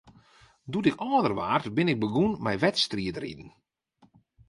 Doe't ik âlder waard, bin ik begûn mei wedstriidriden.